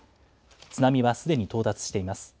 津波はすでに到達しています。